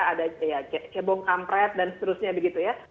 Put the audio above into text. ada ya kebong kampret dan seterusnya begitu ya